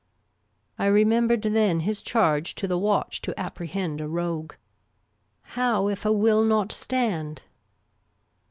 " I remembered then his charge to the watch to apprehend a rogue. " How if 'a will not stand